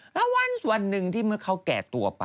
แล้ววันส่วนหนึ่งที่เมื่อเขาแก่ตัวไป